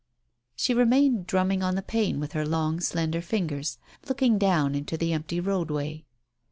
She remained drumming on the pane with her long, slender fingers, looking down into the empty roadway.